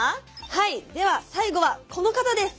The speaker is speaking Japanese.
はいでは最後はこの方です。